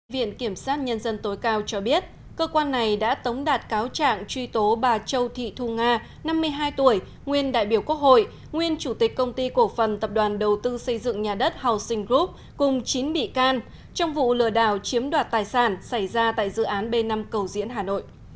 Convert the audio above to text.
viện kiểm sát nhân dân tối cao cho biết cơ quan này đã tống đạt cáo trạng truy tố bà châu thị thu nga năm mươi hai tuổi nguyên đại biểu quốc hội nguyên chủ tịch công ty cổ phần tập đoàn đầu tư xây dựng nhà đất housing group cùng chín bị can trong vụ lừa đảo chiếm đoạt tài sản xảy ra tại dự án b năm cầu diễn hà nội